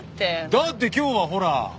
だって今日はほら。